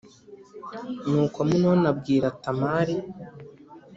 Nuko Amunoni abwira Tamari